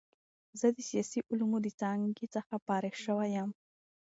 زه د سیاسي علومو له څانګې څخه فارغ شوی یم.